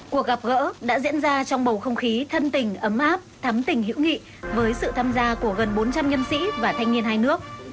cuộc gặp gỡ đã diễn ra trong bầu không khí thân tình ấm áp thắm tình hữu nghị với sự tham gia của gần bốn trăm linh nhân sĩ và thanh niên hai nước